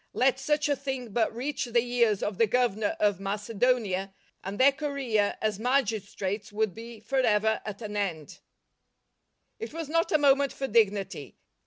Let such a thing but reach the ears of the Governor of Macedonia, and their career as magistrates w'ould be for ever at an end. It was not a moment for dignity.